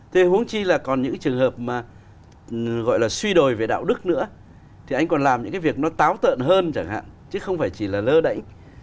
thế huống chi là còn những trường hợp mà gọi là suy đổi về đạo đức nữa thì anh còn làm những cái việc nó táo tợn hơn chẳng hạn chứ không phải chỉ là lơ đẩy